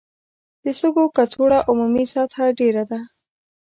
د سږو کڅوړو عمومي سطحه ډېره ده.